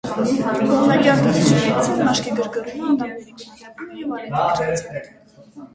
Կողմնակի ազդեցություններից են մաշկի գրգռումը, ատամների գունաթափումը և ալերգիկ ռեակցիաները։